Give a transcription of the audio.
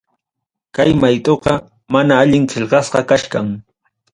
Kay maytuqa mana allin qillqasqa kachkan.